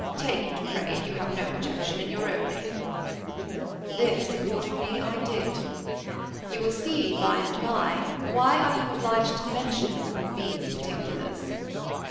Take it, pray, if you have no objection, in your own name." This, accordingly, I did. You will see, by and by, why I am obliged to mention all these particulars.